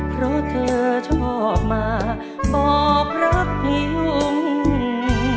เพราะเธอชอบมาบอกรักพี่ยุง